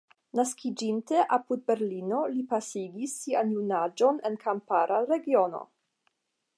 Naskiĝinte apud Berlino, li pasigis sian junaĝon en kampara regiono.